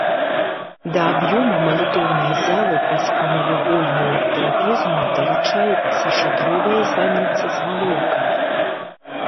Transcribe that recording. Да аб'ёма малітоўнай залы праз прамавугольную трапезную далучаецца шатровая званіца з галоўкай.